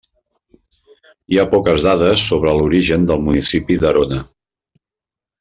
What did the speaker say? Hi ha poques dades sobre l'origen del municipi d'Arona.